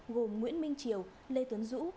gồm nguyễn minh triều lê tuấn dũ